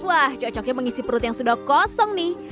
wah cocoknya mengisi perut yang sudah kosong nih